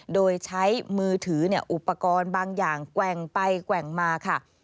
โดยใช้มือถืออุปกรณ์บางอย่างแกว่งไปแกว่งมาค่ะ